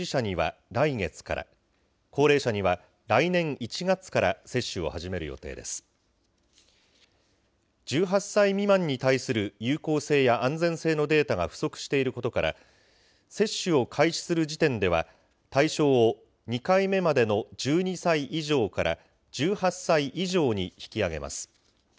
１８歳未満に対する有効性や安全性のデータが不足していることから、接種を開始する時点では、対象を２回目までの１２歳以上から１８歳以上に引き上げます。